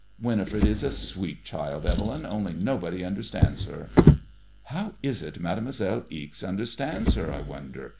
" Winifred is a sweet child, Evelyn, only nobody understands her." How is it Mademoiselle Ixe understands her, I wonder